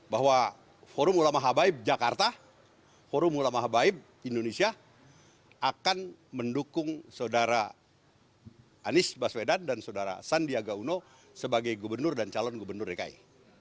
bahwa forum ulama habaib jakarta forum ulama habaib indonesia akan mendukung saudara anies baswedan dan saudara sandiaga uno sebagai gubernur dan calon gubernur dki